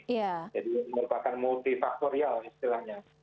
jadi merupakan multifaktorial istilahnya